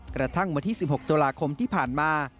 กระทั่งเมื่อที่๑๖โตราคมที่ผ่านมา